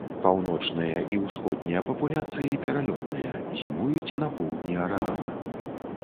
Паўночныя і ўсходнія папуляцыі пералётныя, зімуюць на поўдні арэала.